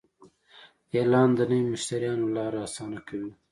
اعلان د نوي مشتریانو لاره اسانه کوي.